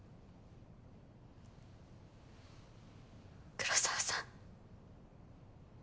黒澤さん。